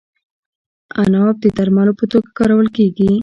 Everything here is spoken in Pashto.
عناب د درملو په توګه کارول کیږي.